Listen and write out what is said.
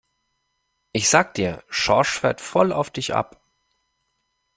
Ich sage dir, Schorsch fährt voll auf dich ab!